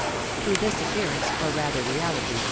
To this appearance, or rather reality, M.